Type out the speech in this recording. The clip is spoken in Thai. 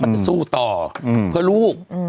จะสู้ต่อเพื่อลูก